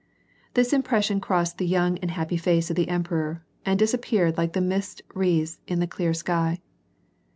This impression crossed the young and happy face of the emperor, and disappeared like the mist wreaths in the clear sky.